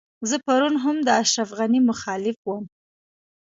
زه پرون هم د اشرف غني مخالف وم.